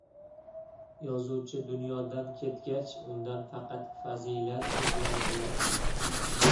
Yozuvchi dunyodan ketgach, undan faqat fazilat izlaydilar.